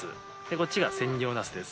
こっちが千両ナスです。